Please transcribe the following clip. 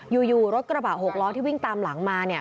อยู่รถกระบะ๖ล้อที่วิ่งตามหลังมา